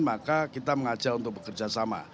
maka kita mengajak untuk bekerja sama